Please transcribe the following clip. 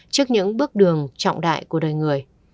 trước những bước đường trọng đại của đời người